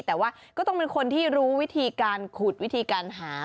แต่ว่าก็ต้องเป็นคนที่รู้วิธีการขุดวิธีการหา